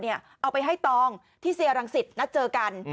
เอาไปให้ตองที่เซียรังสิตนัดเจอกัน